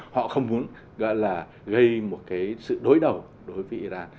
họ không muốn gọi là gây một cái sự đối đầu đối với iran